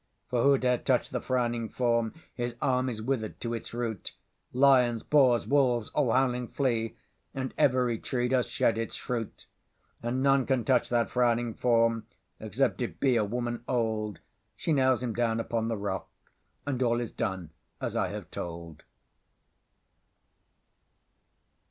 For who dare touch the Frowning Form, His arm is wither'd to its root; Lions, boars, wolves, all howling flee, And every tree does shed its fruit. And none can touch that Frowning Form, Except it be a Woman Old; She nails him down upon the rock, And all is done as I have told.